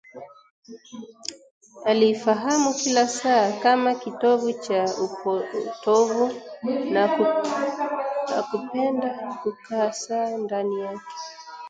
Aliifahamu kila saa kama kitovu cha upotovu, na hakupenda kukaa sana ndani yake